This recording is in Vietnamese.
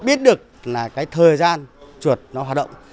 biết được là cái thời gian chuột nó hoạt động